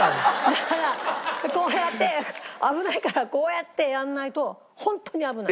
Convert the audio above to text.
だからこうやって危ないからこうやってやんないとホントに危ない。